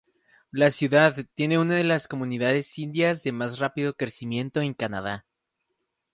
La ciudad tiene una de las comunidades indias de más rápido crecimiento en Canadá.